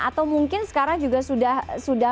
atau mungkin sekarang juga sudah